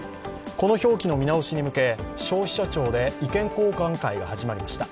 この表記の見直しに向け消費者庁で意見交換会が始まりました。